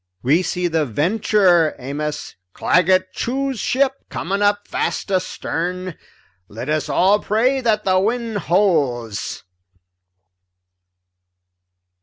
"We see the Venture, Amos, Claggett Chew's ship, coming up fast astern. Let us all pray that the wind holds."